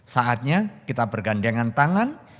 saatnya kita bergandengan tangan